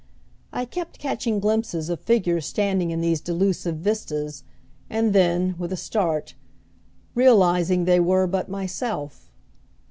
I kept catching glimpses of figures standing in these delusive vistas, and then, with a start, realizing they were but myself.